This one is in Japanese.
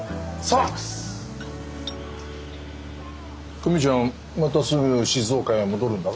久美ちゃんまたすぐ静岡へ戻るんだろ？